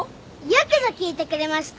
よくぞ聞いてくれました。